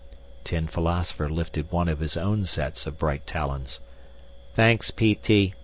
Tin Philosopher lifted one of his own sets of bright talons. "Thanks, P.T.